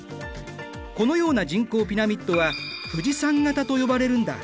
このような人口ピラミッドは富士山型と呼ばれるんだ。